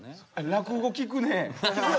落語聴くね。